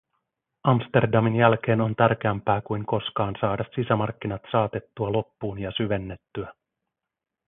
Amsterdamin jälkeen on tärkeämpää kuin koskaan saada sisämarkkinat saatettua loppuun ja syvennettyä.